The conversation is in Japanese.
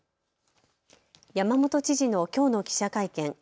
山本知事のきょうの記者会見。